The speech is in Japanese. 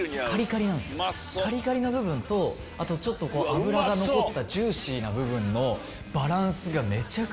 カリカリな部分とちょっと脂が残ったジューシーな部分の。